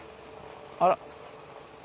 あら。